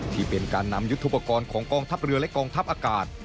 ที่เป็นการนำยุทธุปกรณ์ของกองทัพเรือและกองทัพอากาศ